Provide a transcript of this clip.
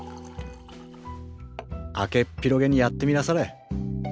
開けっ広げにやってみなされ。